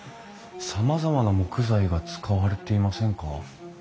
さまざまな木材が使われていませんか？